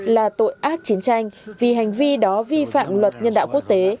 là tội ác chiến tranh vì hành vi đó vi phạm luật nhân đạo quốc tế